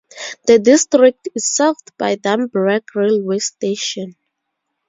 The district is served by Dumbreck railway station.